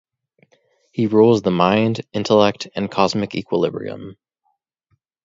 He rules the mind, intellect, and cosmic equilibrium.